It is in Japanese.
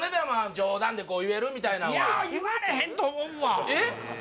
冗談で言えるみたいなんはいやあ言われへんと思うわえっ？